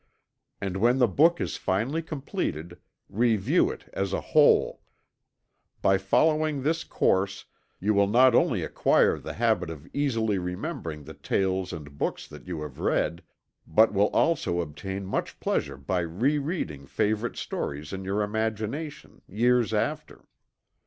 And when the book is finally completed, review it as a whole. By following this course, you will not only acquire the habit of easily remembering the tales and books that you have read, but will also obtain much pleasure by re reading favorite stories in your imagination, years after.